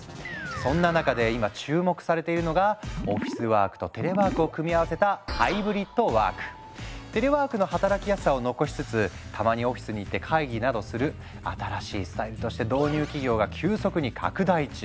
そんな中で今注目されているのがオフィスワークとテレワークを組み合わせたテレワークの働きやすさを残しつつたまにオフィスに行って会議などをする新しいスタイルとして導入企業が急速に拡大中。